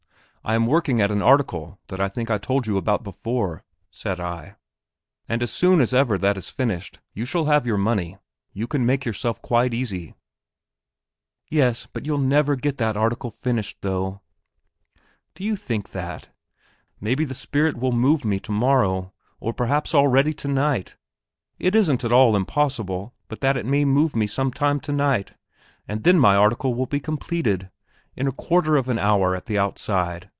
"I am working at an article that I think I told you about before," said I, "and as soon as ever that is finished, you shall have your money; you can make yourself quite easy...." "Yes; but you'll never get that article finished, though." "Do you think that? Maybe the spirit will move me tomorrow, or perhaps already, tonight; it isn't at all impossible but that it may move me some time tonight, and then my article will be completed in a quarter of an hour at the outside.